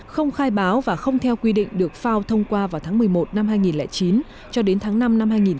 không khai báo và không theo quy định được phao thông qua vào tháng một mươi một năm hai nghìn chín cho đến tháng năm năm hai nghìn một mươi